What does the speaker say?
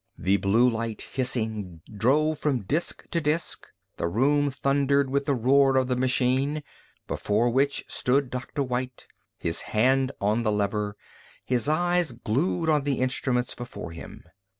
The blue light, hissing, drove from disk to disk; the room thundered with the roar of the machine, before which stood Dr. White, his hand on the lever, his eyes glued on the instruments before him.